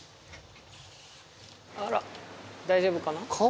あら大丈夫かな。